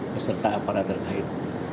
beserta aparat terkait